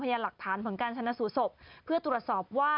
ยาหลักฐานผลการชนะสูตรศพเพื่อตรวจสอบว่า